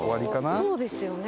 そうですよね。